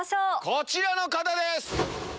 こちらの方です！